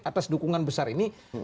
atas dukungan besar ini